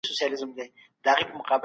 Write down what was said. کوم فکرونه د ځان درناوي احساس پیاوړی کوي؟